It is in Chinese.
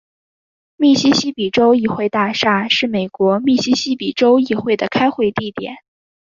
密西西比州议会大厦是美国密西西比州议会的开会地点。